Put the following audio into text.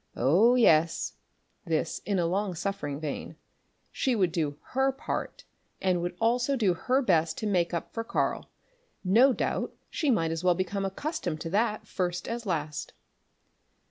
Oh, yes this in long suffering vein she would do her part, and would also do her best to make up for Karl. No doubt she might as well become accustomed to that first as last.